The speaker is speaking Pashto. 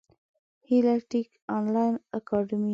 هیله ټېک انلاین اکاډمي